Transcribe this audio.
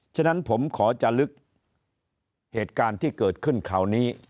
ฉะนั้นผมขอจะลึกเหตุการณ์ที่เกิดขึ้นคราวนี้